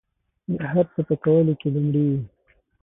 د هر څه په کولو کې لومړي وي.